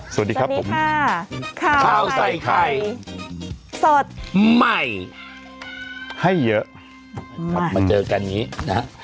สวัสดีครับผมสวัสดีค่ะข้าวใส่ไข่สดใหม่ให้เยอะมาเจอกันนี้นะ